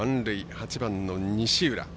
８番の西浦。